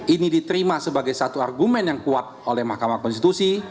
ini diterima sebagai satu argumen yang kuat oleh mahkamah konstitusi